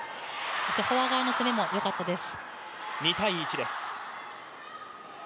フォア側の攻めもよかったです。